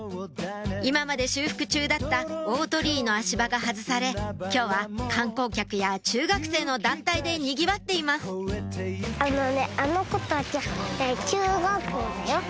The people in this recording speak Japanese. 今まで修復中だった大鳥居の足場が外され今日は観光客や中学生の団体で賑わっていますあのね。